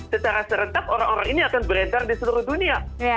secara serentak orang orang ini akan beredar di seluruh dunia